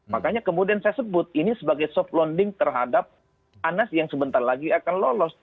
makanya kemudian saya sebut ini sebagai soft londing terhadap anas yang sebentar lagi akan lolos